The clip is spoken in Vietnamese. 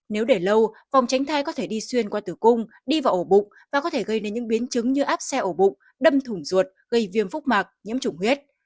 nếu để lâu phòng tránh thai có thể đi xuyên qua tử cung đi vào ổ bụng và có thể gây nên những biến chứng như áp xe ổ bụng đâm thủng ruột gây viêm phúc mạc nhiễm chủng huyết